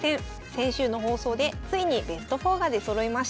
先週の放送でついにベスト４が出そろいました。